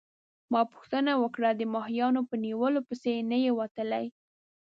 ما پوښتنه وکړه: د ماهیانو په نیولو پسي نه يې وتلی؟